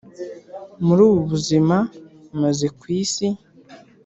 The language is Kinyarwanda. muri ubu buzima maze ku isi